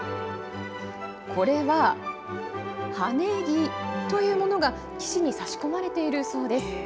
これは桔木というものが岸に差し込まれているそうです。